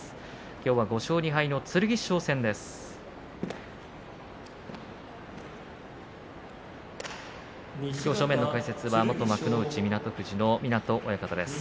きょうは５勝２敗の剣翔戦です。